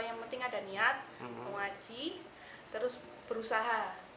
yang penting ada niat mewaji terus berusaha